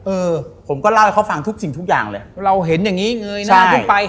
เออผมก็เล่าให้เขาฟังทุกสิ่งทุกอย่างเลยเราเห็นอย่างนี้เงยหน้าขึ้นไป